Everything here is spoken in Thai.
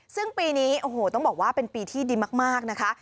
ซึ่งปีนี้โอ้โหต้องบอกว่าเป็นปีที่ดีมากนะคะ